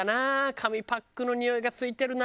紙パックの匂いが付いてるな